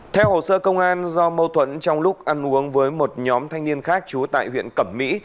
theo hồ sơ công an do mâu thuẫn trong lúc ăn uống với một nhóm thanh niên khác chú tại huyện cẩm mỹ